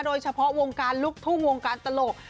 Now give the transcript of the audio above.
โดยเฉพาะวงการลูกทุ่งวงการตลก